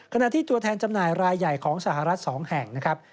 ตัวแทนจำหน่ายรายใหญ่ของสหรัฐ๒แห่งนะครับ